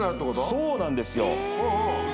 そうなんですよ。